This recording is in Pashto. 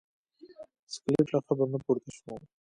سکلیټ له قبر نه پورته شو.